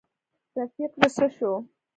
رفیق دي څه شو.